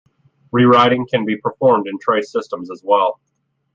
Rewriting can be performed in trace systems as well.